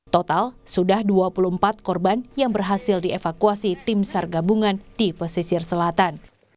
total sudah dua puluh empat korban yang berhasil dievakuasi tim sar gabungan di pesisir selatan